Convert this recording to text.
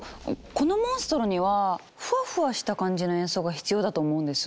このモンストロにはフワフワした感じの演奏が必要だと思うんです。